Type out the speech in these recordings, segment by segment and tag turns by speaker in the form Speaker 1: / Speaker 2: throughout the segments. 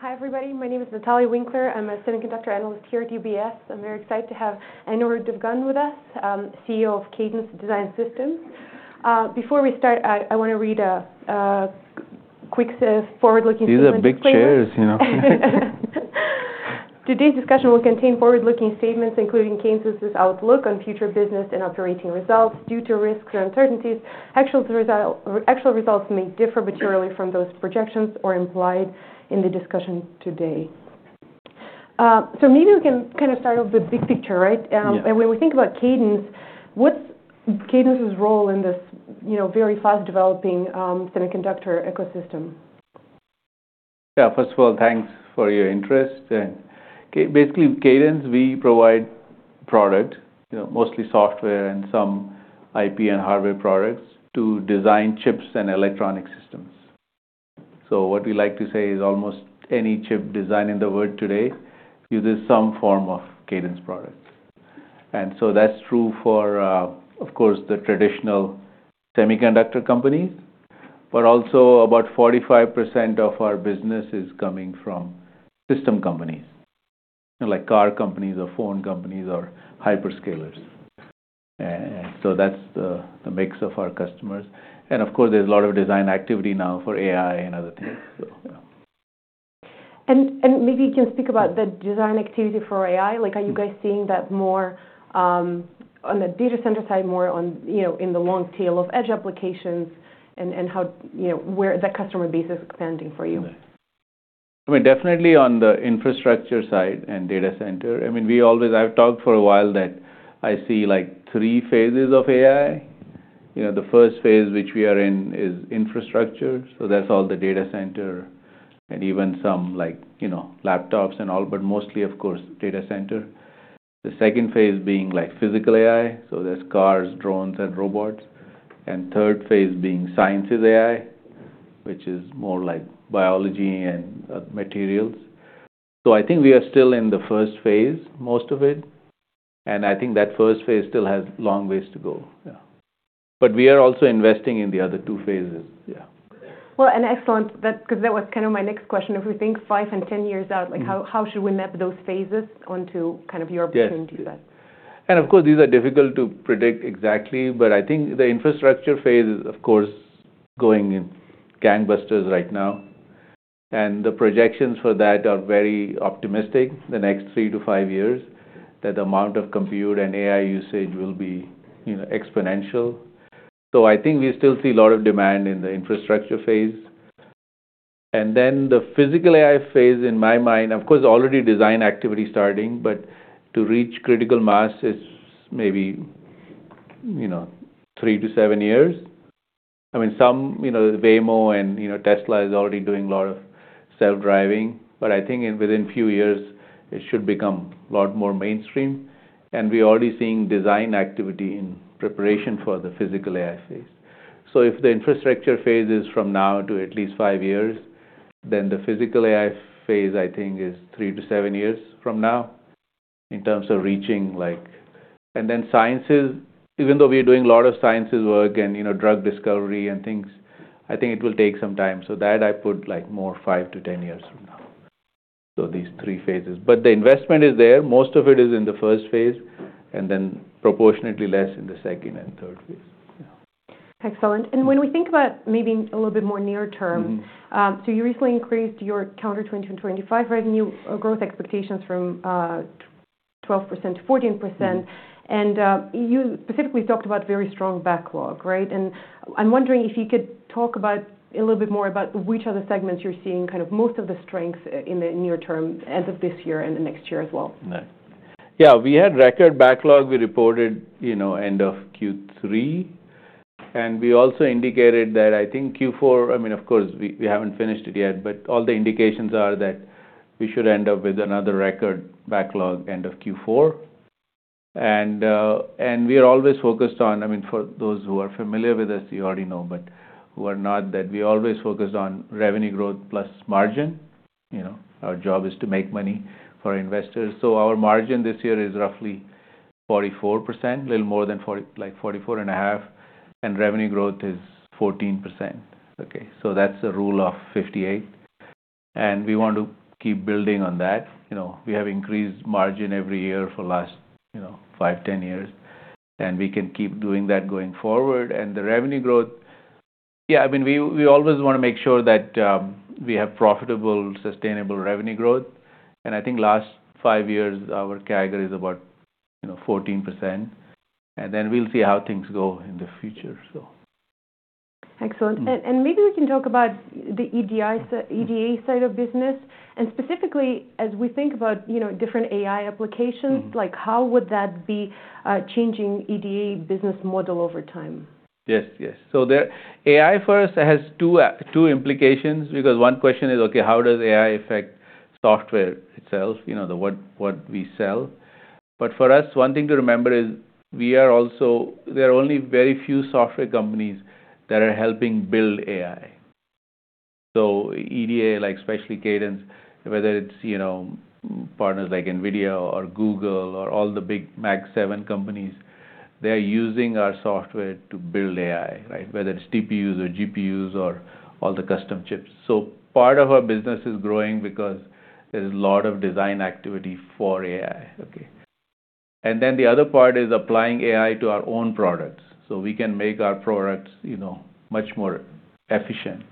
Speaker 1: Hi everybody, my name is Natalie Winkler. I'm a semiconductor analyst here at UBS. I'm very excited to have Anirudh Devgan with us, CEO of Cadence Design Systems. Before we start, I want to read a quick forward-looking statement.
Speaker 2: These are big chairs, you know.
Speaker 1: Today's discussion will contain forward-looking statements, including Cadence's outlook on future business and operating results due to risks and uncertainties. Actual results may differ materially from those projections or implied in the discussion today. So maybe we can kind of start with the big picture, right? When we think about Cadence, what's Cadence's role in this very fast-developing semiconductor ecosystem?
Speaker 2: Yeah, first of all, thanks for your interest. Basically, Cadence, we provide product, mostly software and some IP and hardware products to design chips and electronic systems. So what we like to say is almost any chip design in the world today uses some form of Cadence products. And so that's true for, of course, the traditional semiconductor companies, but also about 45% of our business is coming from system companies like car companies or phone companies or hyperscalers. So that's the mix of our customers. And of course, there's a lot of design activity now for AI and other things.
Speaker 1: Maybe you can speak about the design activity for AI. Are you guys seeing that more on the data center side, more in the long tail of edge applications, and where the customer base is expanding for you?
Speaker 2: I mean, definitely on the infrastructure side and data center. I mean, I've talked for a while that I see three phases of AI. The first phase which we are in is infrastructure. So that's all the data center and even some laptops and all, but mostly, of course, data center. The second phase being physical AI. So there's cars, drones, and robots. And third phase being sciences AI, which is more like biology and materials. So I think we are still in the first phase, most of it. And I think that first phase still has a long ways to go. But we are also investing in the other two phases. Yeah.
Speaker 1: An excellent, because that was kind of my next question. If we think five and 10 years out, how should we map those phases onto kind of your vision to that?
Speaker 2: Of course, these are difficult to predict exactly, but I think the infrastructure phase is, of course, going gangbusters right now. The projections for that are very optimistic the next three to five years that the amount of compute and AI usage will be exponential. I think we still see a lot of demand in the infrastructure phase. Then the physical AI phase, in my mind, of course, already design activity starting, but to reach critical mass is maybe three to seven years. I mean, some Waymo and Tesla are already doing a lot of self-driving, but I think within a few years it should become a lot more mainstream. We're already seeing design activity in preparation for the physical AI phase. So if the infrastructure phase is from now to at least five years, then the physical AI phase, I think, is three-seven years from now in terms of reaching. And then sciences, even though we are doing a lot of sciences work and drug discovery and things, I think it will take some time. So that I put more five-ten years from now. So these three phases. But the investment is there. Most of it is in the first phase and then proportionately less in the second and third phase.
Speaker 1: Excellent. And when we think about maybe a little bit more near term, so you recently increased your calendar 2025 revenue growth expectations from 12%-14%. And you specifically talked about very strong backlog, right? And I'm wondering if you could talk a little bit more about which other segments you're seeing kind of most of the strengths in the near term end of this year and the next year as well?
Speaker 2: Yeah, we had record backlog. We reported end of Q3, and we also indicated that I think Q4, I mean, of course, we haven't finished it yet, but all the indications are that we should end up with another record backlog end of Q4. We are always focused on, I mean, for those who are familiar with us, you already know, but who are not, that we are always focused on revenue growth plus margin. Our job is to make money for investors, so our margin this year is roughly 44%, a little more than 44 and a half. Revenue growth is 14%. Okay, that's a rule of 58, and we want to keep building on that. We have increased margin every year for the last five, 10 years, and we can keep doing that going forward. And the revenue growth, yeah, I mean, we always want to make sure that we have profitable, sustainable revenue growth. And I think last five years our CAGR is about 14%. And then we'll see how things go in the future, so.
Speaker 1: Excellent. And maybe we can talk about the EDA side of business. And specifically, as we think about different AI applications, how would that be changing EDA business model over time?
Speaker 2: Yes, yes. So AI first has two implications because one question is, okay, how does AI affect software itself, what we sell? But for us, one thing to remember is we are also, there are only very few software companies that are helping build AI. So EDA, especially Cadence, whether it's partners like Nvidia or Google or all the big Mag 7 companies, they're using our software to build AI, right? Whether it's TPUs or GPUs or all the custom chips. So part of our business is growing because there's a lot of design activity for AI. Okay. And then the other part is applying AI to our own products so we can make our products much more efficient.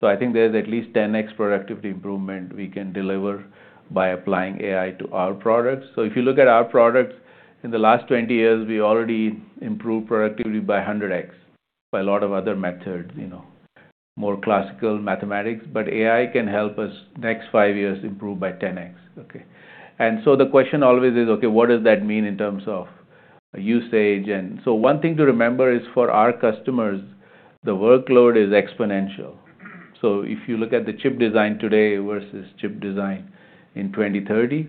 Speaker 2: So I think there's at least 10x productivity improvement we can deliver by applying AI to our products. So if you look at our products, in the last 20 years, we already improved productivity by 100x by a lot of other methods, more classical mathematics. But AI can help us next five years improve by 10x. Okay. And so the question always is, okay, what does that mean in terms of usage? And so one thing to remember is for our customers, the workload is exponential. So if you look at the chip design today versus chip design in 2030,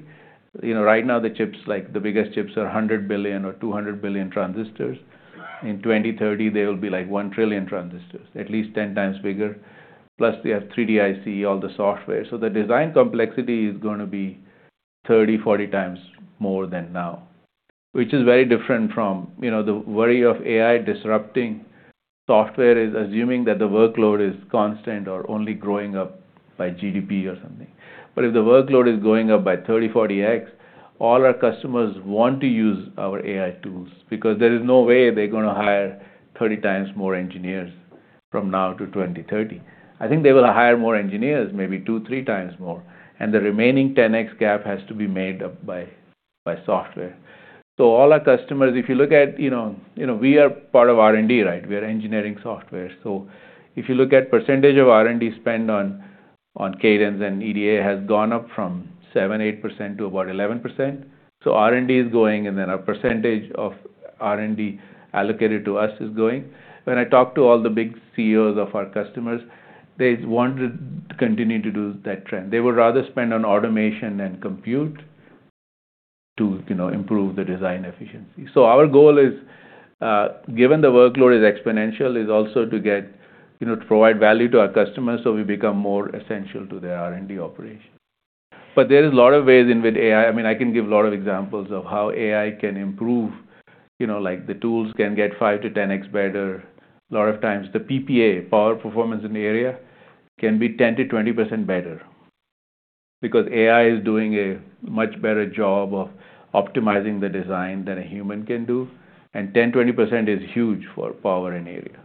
Speaker 2: right now the chips, like the biggest chips are 100 billion or 200 billion transistors. In 2030, they will be like one trillion transistors, at least 10 times bigger. Plus we have 3D IC, all the software. So the design complexity is going to be 30-40 times more than now, which is very different from the worry of AI disrupting software is assuming that the workload is constant or only growing up by GDP or something. But if the workload is going up by 30-40x, all our customers want to use our AI tools because there is no way they're going to hire 30 times more engineers from now to 2030. I think they will hire more engineers, maybe two-three times more. And the remaining 10x gap has to be made up by software. So all our customers, if you look at, we are part of R&D, right? We are engineering software. So if you look at the percentage of R&D spent on Cadence and EDA has gone up from 7%-8% to about 11%. So R&D is going, and then our percentage of R&D allocated to us is going. When I talk to all the big CEOs of our customers, they want to continue to do that trend. They would rather spend on automation and compute to improve the design efficiency. So our goal is, given the workload is exponential, to provide value to our customers so we become more essential to their R&D operation. But there are a lot of ways in which AI, I mean, I can give a lot of examples of how AI can improve. The tools can get 5-10x better. A lot of times the PPA, power performance and area, can be 10%-20% better because AI is doing a much better job of optimizing the design than a human can do. And 10%-20% is huge for power and area.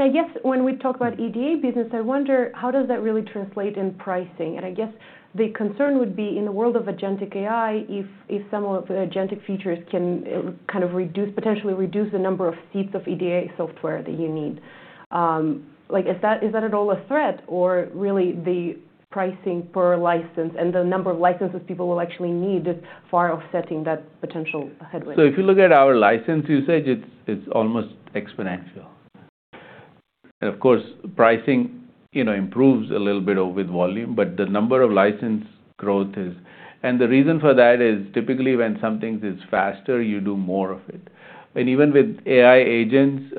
Speaker 1: I guess when we talk about EDA business, I wonder how does that really translate in pricing? I guess the concern would be in the world of agentic AI, if some of the agentic features can kind of potentially reduce the number of seats of EDA software that you need. Is that at all a threat or really the pricing per license and the number of licenses people will actually need is far offsetting that potential headway?
Speaker 2: So if you look at our license usage, it's almost exponential. And of course, pricing improves a little bit with volume, but the number of license growth is. And the reason for that is typically when something is faster, you do more of it. And even with AI agents,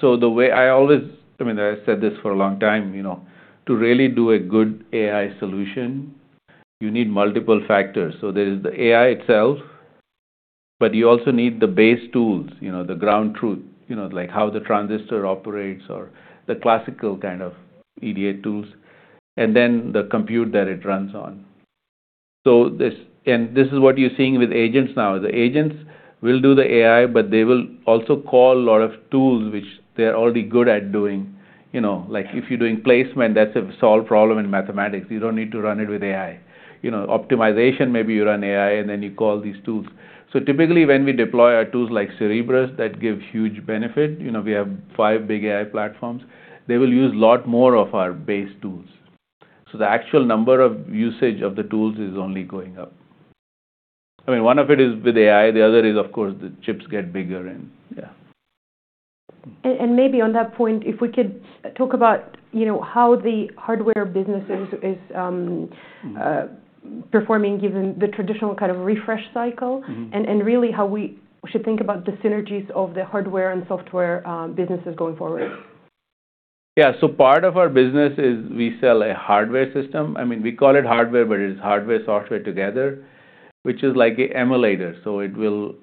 Speaker 2: so the way I always, I mean, I said this for a long time, to really do a good AI solution, you need multiple factors. So there is the AI itself, but you also need the base tools, the ground truth, like how the transistor operates or the classical kind of EDA tools, and then the compute that it runs on. And this is what you're seeing with agents now. The agents will do the AI, but they will also call a lot of tools which they're already good at doing. If you're doing placement, that's a solved problem in mathematics. You don't need to run it with AI. Optimization, maybe you run AI and then you call these tools. So typically when we deploy our tools like Cerebrus, that gives huge benefit. We have five big AI platforms. They will use a lot more of our base tools. So the actual number of usage of the tools is only going up. I mean, one of it is with AI. The other is, of course, the chips get bigger and yeah.
Speaker 1: Maybe on that point, if we could talk about how the hardware business is performing given the traditional kind of refresh cycle and really how we should think about the synergies of the hardware and software businesses going forward?
Speaker 2: Yeah, so part of our business is we sell a hardware system. I mean, we call it hardware, but it's hardware-software together, which is like an emulator. So it will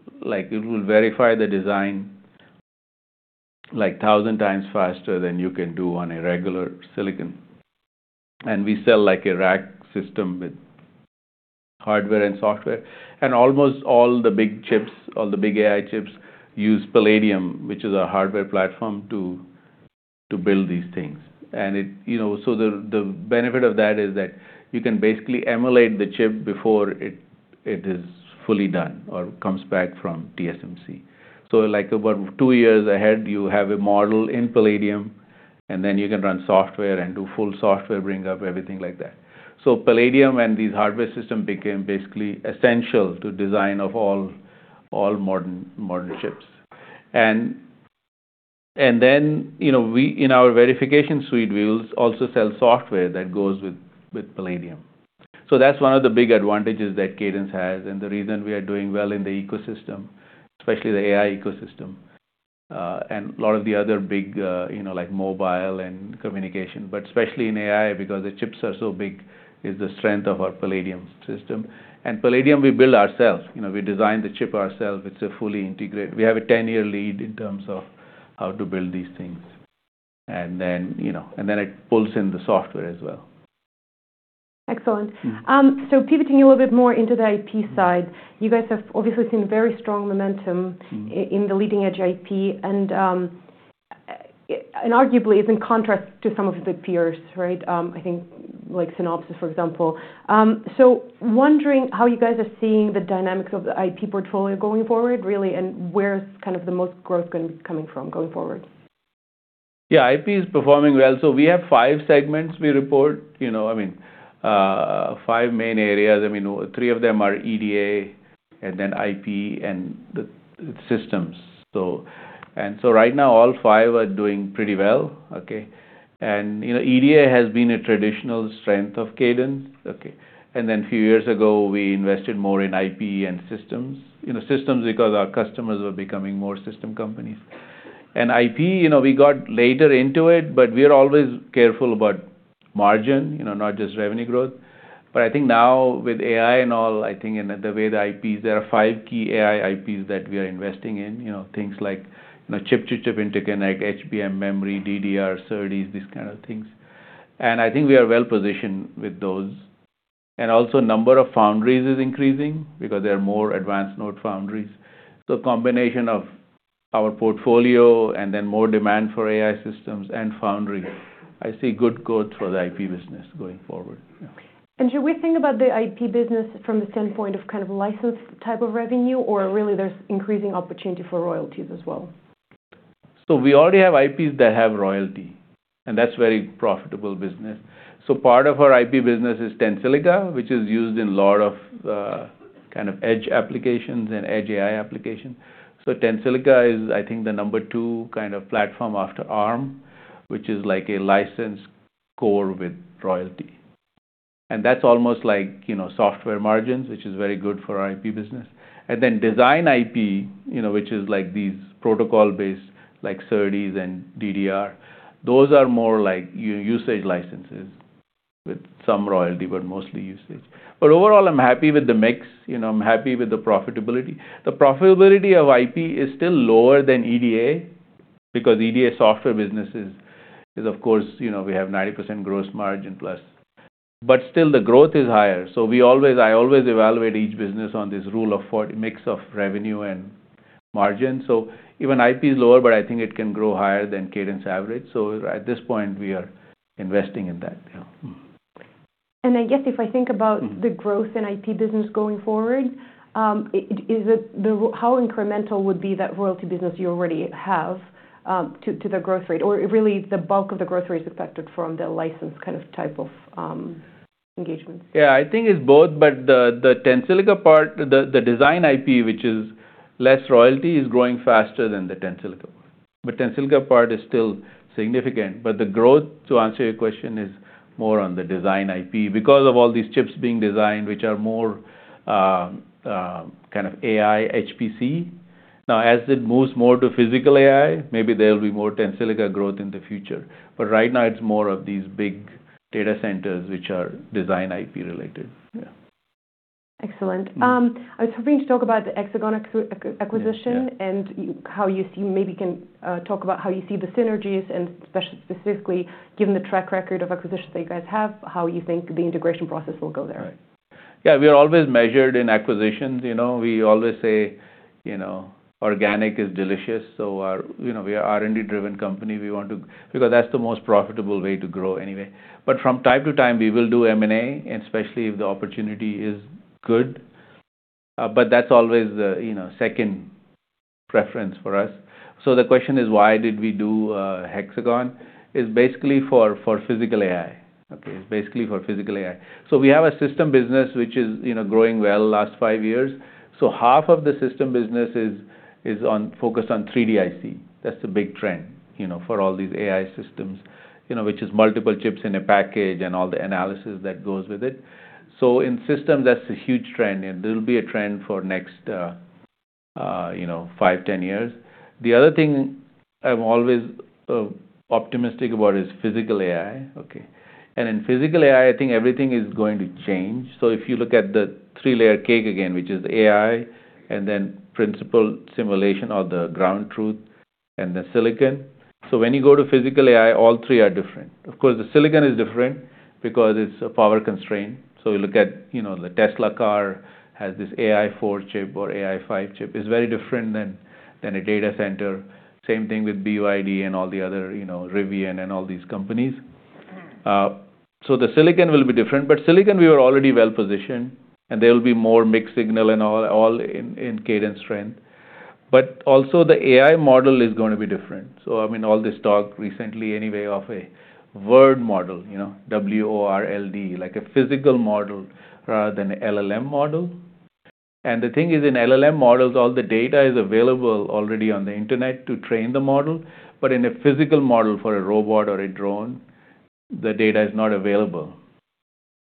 Speaker 2: verify the design like 1,000 times faster than you can do on a regular silicon. And we sell like a rack system with hardware and software. And almost all the big chips, all the big AI chips use Palladium, which is a hardware platform to build these things. And so the benefit of that is that you can basically emulate the chip before it is fully done or comes back from TSMC. So like about two years ahead, you have a model in Palladium, and then you can run software and do full software bring up everything like that. So Palladium and these hardware systems became basically essential to the design of all modern chips. And then in our verification suite, we will also sell software that goes with Palladium. So that's one of the big advantages that Cadence has and the reason we are doing well in the ecosystem, especially the AI ecosystem and a lot of the other big like mobile and communication, but especially in AI because the chips are so big, is the strength of our Palladium system. And Palladium, we build ourselves. We design the chip ourselves. It's a fully integrated. We have a 10-year lead in terms of how to build these things. And then it pulls in the software as well.
Speaker 1: Excellent. So pivoting a little bit more into the IP side, you guys have obviously seen very strong momentum in the leading-edge IP and arguably is in contrast to some of the peers, right? I think like Synopsys, for example. So wondering how you guys are seeing the dynamics of the IP portfolio going forward, really, and where's kind of the most growth going to be coming from going forward?
Speaker 2: Yeah, IP is performing well. So we have five segments we report. I mean, five main areas. I mean, three of them are EDA and then IP and systems. And so right now, all five are doing pretty well. Okay. And EDA has been a traditional strength of Cadence. Okay. And then a few years ago, we invested more in IP and systems. Systems because our customers were becoming more system companies. And IP, we got later into it, but we are always careful about margin, not just revenue growth. But I think now with AI and all, I think in the way the IPs, there are five key AI IPs that we are investing in, things like chip-to-chip interconnect, HBM memory, DDR, SerDes, these kind of things. And I think we are well positioned with those. And also, the number of foundries is increasing because there are more advanced node foundries. So, the combination of our portfolio and then more demand for AI systems and foundries. I see good growth for the IP business going forward.
Speaker 1: Should we think about the IP business from the standpoint of kind of license type of revenue or really there's increasing opportunity for royalties as well?
Speaker 2: We already have IPs that have royalty, and that's a very profitable business. Part of our IP business is Tensilica, which is used in a lot of kind of edge applications and edge AI applications. Tensilica is, I think, the number two kind of platform after ARM, which is like a license core with royalty. That's almost like software margins, which is very good for our IP business. Then design IP, which is like these protocol-based like SerDes and DDR, those are more like usage licenses with some royalty, but mostly usage. Overall, I'm happy with the mix. I'm happy with the profitability. The profitability of IP is still lower than EDA because EDA software business is, of course, we have 90% gross margin plus, but still the growth is higher. So I always evaluate each business on this rule of mix of revenue and margin. So even IP is lower, but I think it can grow higher than Cadence average. So at this point, we are investing in that.
Speaker 1: I guess if I think about the growth in IP business going forward, how incremental would be that royalty business you already have to the growth rate or really the bulk of the growth rate is affected from the license kind of type of engagements?
Speaker 2: Yeah, I think it's both, but the Tensilica part, the design IP, which is less royalty, is growing faster than the Tensilica part. But Tensilica part is still significant. But the growth, to answer your question, is more on the design IP because of all these chips being designed, which are more kind of AI HPC. Now, as it moves more to physical AI, maybe there will be more Tensilica growth in the future. But right now, it's more of these big data centers, which are design IP related. Yeah.
Speaker 1: Excellent. I was hoping to talk about the Hexagon acquisition and how you see the synergies and specifically given the track record of acquisitions that you guys have, how you think the integration process will go there.
Speaker 2: Right. Yeah, we are always measured in acquisitions. We always say organic is delicious. So we are an R&D-driven company. We want to, because that's the most profitable way to grow anyway. But from time to time, we will do M&A, especially if the opportunity is good. But that's always the second preference for us. So the question is, why did we do Hexagon? It's basically for physical AI. Okay. It's basically for physical AI. So we have a system business, which is growing well last five years. So half of the system business is focused on 3D IC. That's the big trend for all these AI systems, which is multiple chips in a package and all the analysis that goes with it. So in systems, that's a huge trend. There will be a trend for the next five, 10 years. The other thing I'm always optimistic about is physical AI. Okay. And in physical AI, I think everything is going to change. So if you look at the three-layer cake again, which is AI and then physical simulation or the ground truth and the silicon. So when you go to physical AI, all three are different. Of course, the silicon is different because it's a power constraint. So you look at the Tesla car has this AI4 chip or AI5 chip. It's very different than a data center. Same thing with BYD and all the other Rivian and all these companies. So the silicon will be different. But silicon, we were already well positioned, and there will be more mixed signal and all in Cadence strength. But also the AI model is going to be different. So I mean, all this talk recently anyway of a world model, W-O-R-L-D, like a physical model rather than an LLM model. And the thing is in LLM models, all the data is available already on the internet to train the model. But in a physical model for a robot or a drone, the data is not available.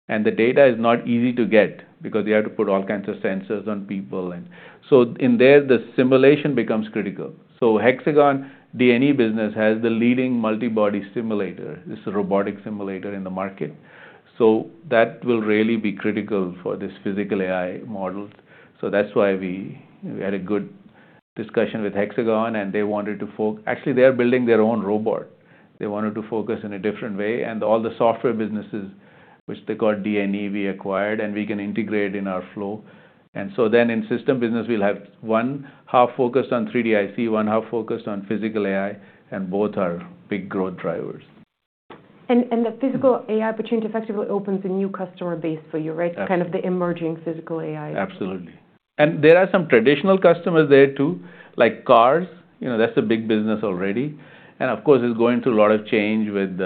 Speaker 2: And the data is not easy to get because you have to put all kinds of sensors on people. And so in there, the simulation becomes critical. So Hexagon D&E business has the leading multibody simulator. It's a robotic simulator in the market. So that will really be critical for this physical AI model. So that's why we had a good discussion with Hexagon, and they wanted to focus actually, they are building their own robot. They wanted to focus in a different way. And all the software businesses, which they called D&E, we acquired, and we can integrate in our flow. And so then in systems business, we'll have one half focused on 3D IC, one half focused on physical AI, and both are big growth drivers.
Speaker 1: And the physical AI opportunity effectively opens a new customer base for you, right? Kind of the emerging physical AI.
Speaker 2: Absolutely. And there are some traditional customers there too, like cars. That's a big business already. And of course, it's going through a lot of change with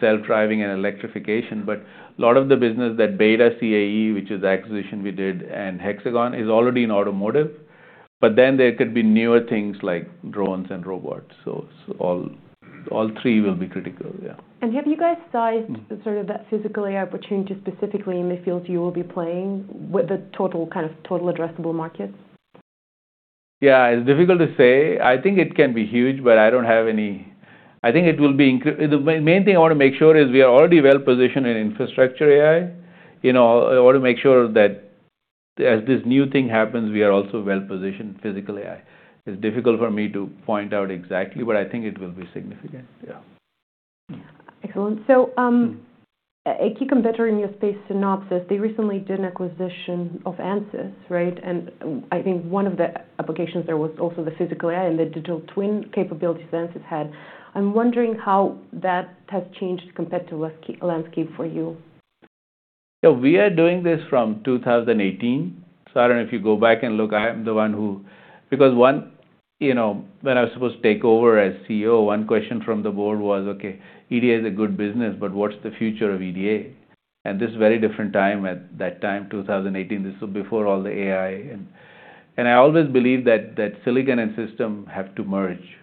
Speaker 2: self-driving and electrification. But a lot of the business, that BETA CAE, which is the acquisition we did, and Hexagon is already in automotive. But then there could be newer things like drones and robots. So all three will be critical. Yeah.
Speaker 1: Have you guys sized sort of that Physical AI opportunity specifically in the fields you will be playing with the total kind of total addressable markets?
Speaker 2: Yeah, it's difficult to say. I think it can be huge, but I think it will be the main thing I want to make sure is we are already well positioned in infrastructure AI. I want to make sure that as this new thing happens, we are also well positioned in physical AI. It's difficult for me to point out exactly, but I think it will be significant. Yeah.
Speaker 1: Excellent. So a key competitor in your space, Synopsys, they recently did an acquisition of Ansys, right? And I think one of the applications there was also the physical AI and the digital twin capabilities that Ansys had. I'm wondering how that has changed compared to landscape for you.
Speaker 2: Yeah, we are doing this from 2018. So I don't know if you go back and look. I'm the one who, because when I was supposed to take over as CEO, one question from the board was, "Okay, EDA is a good business, but what's the future of EDA?" And this is a very different time. At that time, 2018. This was before all the AI. And I always believe that silicon and system have to merge.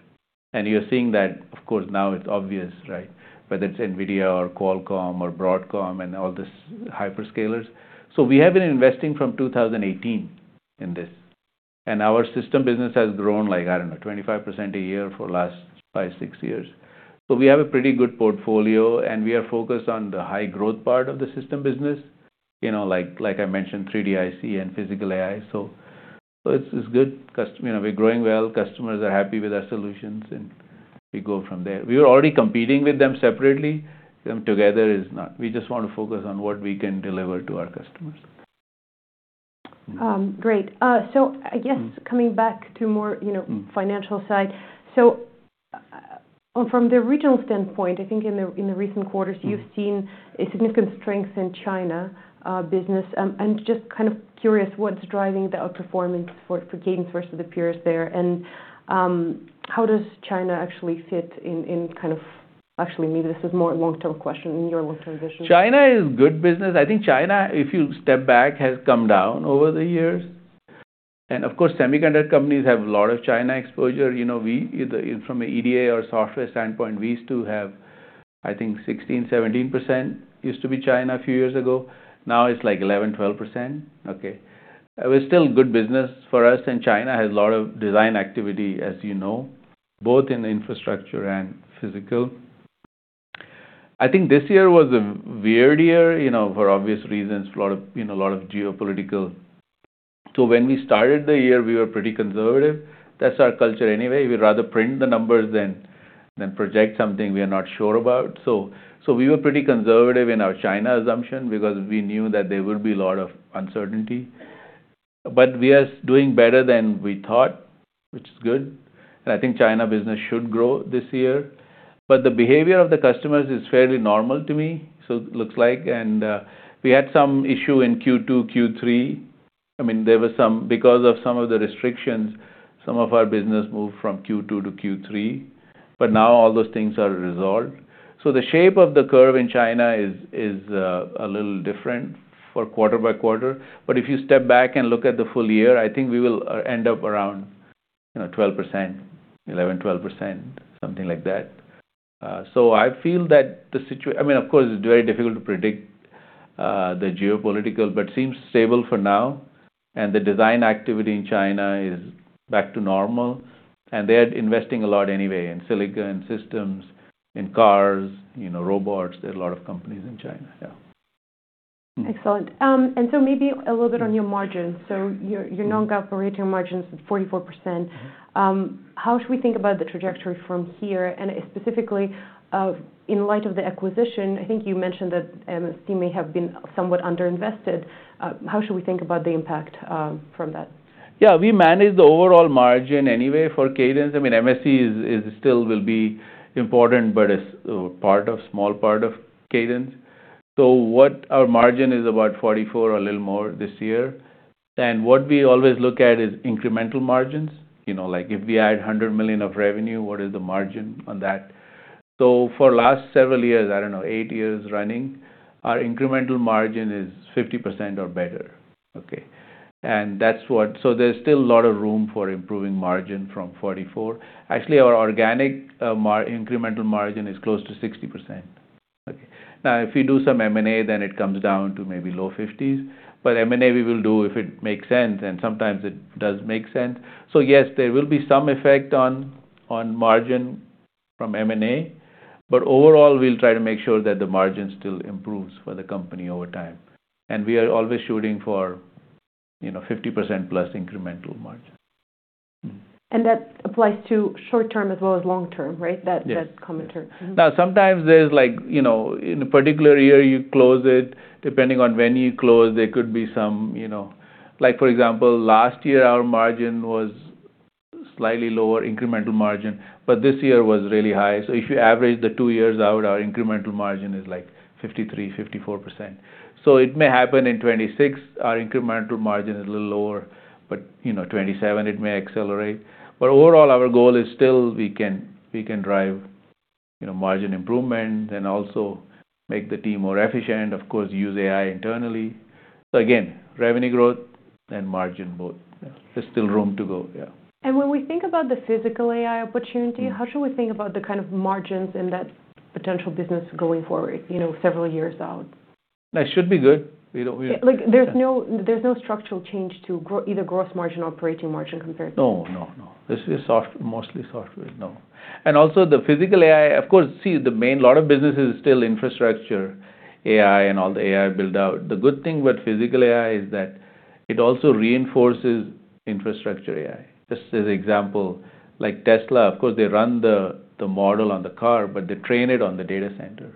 Speaker 2: And you're seeing that. Of course, now it's obvious, right? Whether it's NVIDIA or Qualcomm or Broadcom and all these hyperscalers. So we have been investing from 2018 in this. And our system business has grown like, I don't know, 25% a year for the last five, six years. So we have a pretty good portfolio, and we are focused on the high growth part of the system business, like I mentioned, 3D IC and physical AI. So it's good. We're growing well. Customers are happy with our solutions, and we go from there. We were already competing with them separately. Together is not. We just want to focus on what we can deliver to our customers.
Speaker 1: Great. So I guess coming back to more financial side. So from the regional standpoint, I think in the recent quarters, you've seen a significant strength in China business. And just kind of curious what's driving the outperformance for Cadence versus the peers there. And how does China actually fit in kind of actually maybe this is more a long-term question in your long-term vision.
Speaker 2: China is good business. I think China, if you step back, has come down over the years, and of course, semiconductor companies have a lot of China exposure. From an EDA or software standpoint, we used to have, I think, 16%-17% used to be China a few years ago. Now it's like 11%-12%. Okay. It was still good business for us, and China has a lot of design activity, as you know, both in infrastructure and physical. I think this year was a weird year for obvious reasons, a lot of geopolitical. So when we started the year, we were pretty conservative. That's our culture anyway. We'd rather print the numbers than project something we are not sure about. So we were pretty conservative in our China assumption because we knew that there would be a lot of uncertainty. But we are doing better than we thought, which is good. And I think China business should grow this year. But the behavior of the customers is fairly normal to me, so it looks like. And we had some issue in Q2, Q3. I mean, there was some because of some of the restrictions, some of our business moved from Q2-Q3. But now all those things are resolved. So the shape of the curve in China is a little different for quarter by quarter. But if you step back and look at the full year, I think we will end up around 11%-12%, something like that. So I feel that the situation I mean, of course, it's very difficult to predict the geopolitical, but it seems stable for now. And the design activity in China is back to normal. They are investing a lot anyway in silicon systems, in cars, robots. There are a lot of companies in China. Yeah.
Speaker 1: Excellent. And so maybe a little bit on your margins. So you're known to operate your margins at 44%. How should we think about the trajectory from here? And specifically, in light of the acquisition, I think you mentioned that MSC may have been somewhat underinvested. How should we think about the impact from that?
Speaker 2: Yeah, we manage the overall margin anyway for Cadence. I mean, MSC still will be important, but it's a small part of Cadence. So our margin is about 44%, a little more this year. And what we always look at is incremental margins. If we add $100 million of revenue, what is the margin on that? So for the last several years, I don't know, eight years running, our incremental margin is 50% or better. Okay. And that's what so there's still a lot of room for improving margin from 44%. Actually, our organic incremental margin is close to 60%. Okay. Now, if we do some M&A, then it comes down to maybe low 50s%. But M&A we will do if it makes sense, and sometimes it does make sense. So yes, there will be some effect on margin from M&A. But overall, we'll try to make sure that the margin still improves for the company over time. And we are always shooting for 50% plus incremental margin.
Speaker 1: And that applies to short term as well as long term, right? That commentary?
Speaker 2: Now, sometimes there's like in a particular year, you close it. Depending on when you close, there could be some like for example, last year, our margin was slightly lower, incremental margin. But this year was really high. So if you average the two years out, our incremental margin is like 53%-54%. So it may happen in 2026, our incremental margin is a little lower. But 2027, it may accelerate. But overall, our goal is still we can drive margin improvement and also make the team more efficient, of course, use AI internally. So again, revenue growth and margin both. There's still room to go. Yeah.
Speaker 1: And when we think about the physical AI opportunity, how should we think about the kind of margins in that potential business going forward, several years out?
Speaker 2: That should be good.
Speaker 1: There's no structural change to either gross margin, operating margin compared to.
Speaker 2: No, no, no. This is mostly software. No. And also the physical AI, of course, see, the main lot of businesses is still infrastructure AI and all the AI build-out. The good thing with physical AI is that it also reinforces infrastructure AI. Just as an example, like Tesla, of course, they run the model on the car, but they train it on the data center.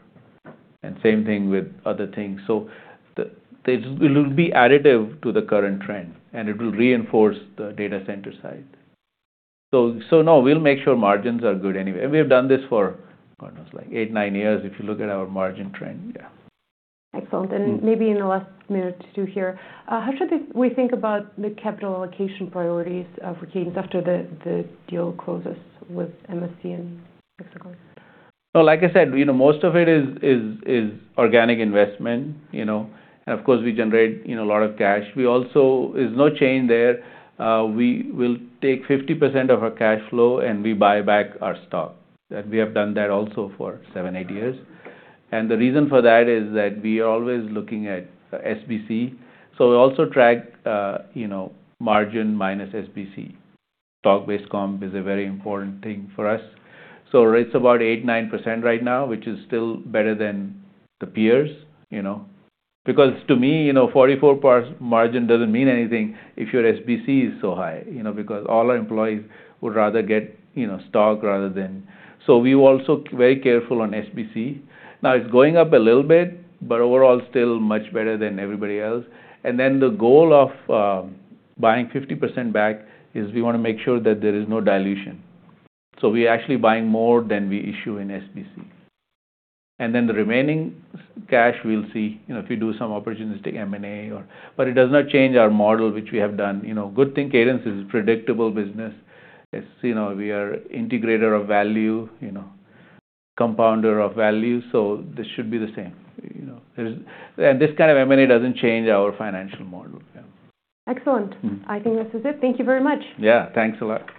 Speaker 2: And same thing with other things. So it will be additive to the current trend, and it will reinforce the data center side. So no, we'll make sure margins are good anyway. And we have done this for like eight, nine years if you look at our margin trend. Yeah.
Speaker 1: Excellent. And maybe in the last minute or two here, how should we think about the capital allocation priorities for Cadence after the deal closes with MSC and Hexagon?
Speaker 2: Like I said, most of it is organic investment. And of course, we generate a lot of cash. There's no chain there. We will take 50% of our cash flow, and we buy back our stock. And we have done that also for seven, eight years. And the reason for that is that we are always looking at SBC. So we also track margin minus SBC. Stock-based comp is a very important thing for us. So it's about 8-9% right now, which is still better than the peers. Because to me, 44% margin doesn't mean anything if your SBC is so high. Because all our employees would rather get stock rather than so we're also very careful on SBC. Now, it's going up a little bit, but overall, still much better than everybody else. And then the goal of buying 50% back is, we want to make sure that there is no dilution. So we're actually buying more than we issue in SBC. And then the remaining cash, we'll see if we do some opportunistic M&A. But it does not change our model, which we have done. Good thing Cadence is a predictable business. We are an integrator of value, compounder of value. So this should be the same. And this kind of M&A doesn't change our financial model.
Speaker 1: Excellent. I think this is it. Thank you very much.
Speaker 2: Yeah, thanks a lot.